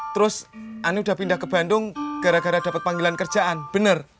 terus ani udah pindah ke bandung gara gara dapat panggilan kerjaan benar